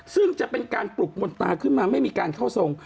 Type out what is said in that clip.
ซึ่งจะเป็นการปลุกมนตาขึ้นมาไม่มีการเข้าทรง